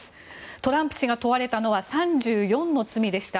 トランプ氏が問われたのは３４の罪でした。